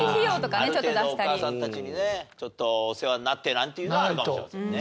ある程度お母さんたちにねちょっとお世話になってなんていうのはあるかもしれませんね。